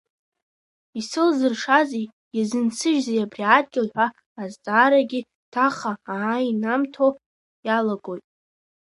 Исылсыршазеи, иазынсыжьзеи абри адгьыл ҳәа азҵаарагьы ҭаха ааинамҭо иалагоит.